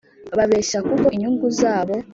babeshya kuko inyungu zabo,